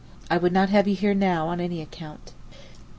I would not have you here now on any account.